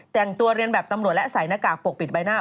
แต่งตัวเรียนแบบตำรวจและใส่หน้ากากปกปิดใบหน้า